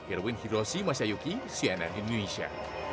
irwin hiroshi masayuki cnn indonesia